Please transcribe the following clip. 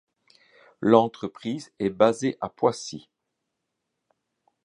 L'entreprise est basée à Poissy.